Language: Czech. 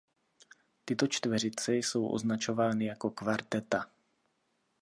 Tyto čtveřice jsou označovány jako kvarteta.